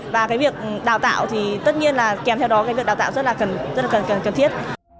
và cái việc đào tạo thì tất nhiên là kèm theo đó cái việc đào tạo rất là cần thiết